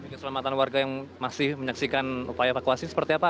keselamatan warga yang masih menyaksikan upaya evakuasi seperti apa